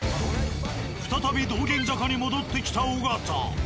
再び道玄坂に戻ってきた尾形。